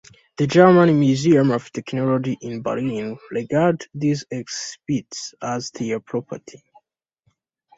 The German Museum of Technology in Berlin regards these exhibits as their property.